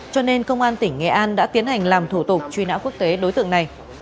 cho nên công an tỉnh nghệ an đã tiến hành làm thủ tục truy nã quốc tế đối tượng này